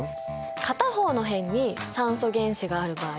片方の辺に酸素原子がある場合